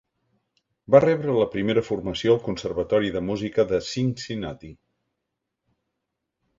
Va rebre la primera formació al conservatori de música de Cincinnati.